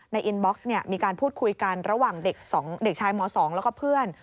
อินบ็อกซ์มีการพูดคุยกันระหว่างเด็ก๒เด็กชายม๒แล้วก็เพื่อน